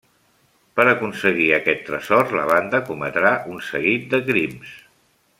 Per aconseguir aquest tresor la banda cometrà un seguit de crims.